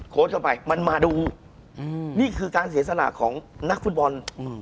เข้าไปมันมาดูนี่คือการเสียสละของนักฟุตบอล